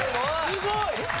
すごい！